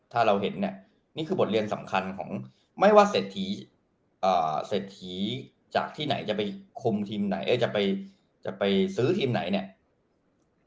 ถ้าเราเห็นเนี่ยนี่คือบทเรียนสำคัญหรือไม่ว่าเศรษฐีจะไปซื้อทิมไหนเนี่ย